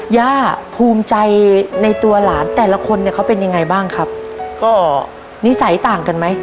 ย่าภูมิใจในตัวหลานแต่ละคนเนี่ยเขาเป็นยังไงบ้างครับก็นิสัยต่างกันไหม